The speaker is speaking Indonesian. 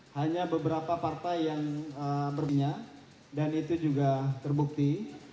hanya beberapa partai yang berminya dan itu juga terbukti